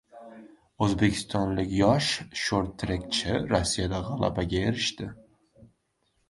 O‘zbekistonlik yosh short-trekchi Rossiyada g‘alabaga erishdi